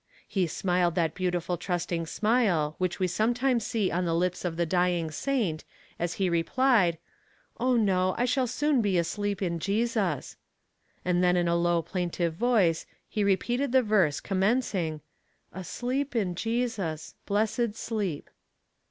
He smiled that beautiful trusting smile which we sometimes see on the lips of the dying saint, as he replied: "Oh no, I shall soon be asleep in Jesus"; and then in a low plaintive voice he repeated the verse commencing, Asleep in Jesus, blessed sleep.